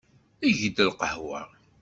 Eg-d lqahwa.